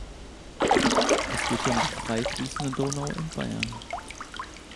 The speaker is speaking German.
Es geht hier um die frei fließende Donau in Bayern.